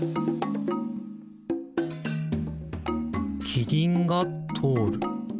キリンがとおる。